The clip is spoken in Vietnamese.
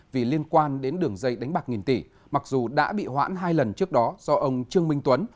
vì liên quan đến đường dây đánh bạc nghìn tỷ mặc dù đã bị hoãn hai lần trước đó do ông trương minh tuấn